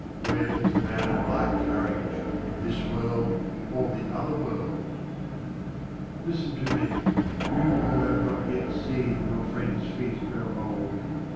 Where is the man of like courage in this world or the other world ? Listen to me, you who have not yet seen your friends' feet grow old.